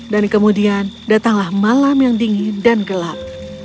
dan kemudian datanglah malam yang dingin dan gelap